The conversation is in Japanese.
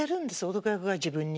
男役が自分に。